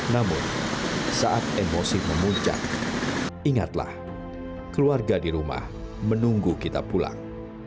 namun saat emosi memuncak ingatlah keluarga di rumah menunggu kita pulang